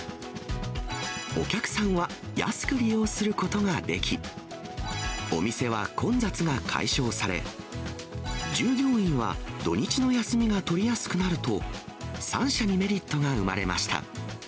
お客さんは安く利用することができ、お店は混雑が解消され、従業員は土日の休みが取りやすくなると、３者にメリットが生まれました。